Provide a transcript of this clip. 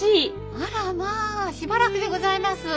あらまあしばらくでございます。